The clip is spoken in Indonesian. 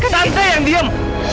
tante yang diem